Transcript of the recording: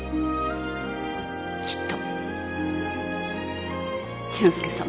きっと俊介さんもです。